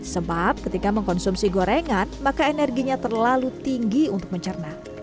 sebab ketika mengkonsumsi gorengan maka energinya terlalu tinggi untuk mencerna